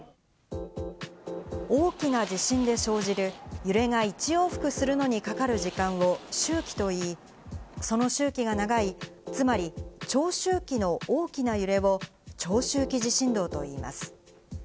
大きな地震で生じる、揺れが１往復するのにかかる時間を周期と言い、その周期が長い、つまり、長周期の大きな揺れを、長周期地震動と言います。